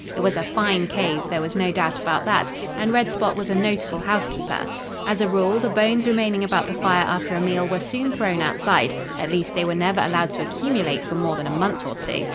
It was a fine cave, there was no doubt about that, and Red Spot was a notable housekeeper. As a rule, the bones remaining about the fire after a meal were soon thrown outside at least they were never allowed to accumulate for more than a month or two.